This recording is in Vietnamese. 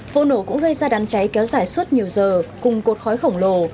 vụ nổ cũng gây ra đám cháy kéo dài suốt nhiều giờ cùng cột khói khổng lồ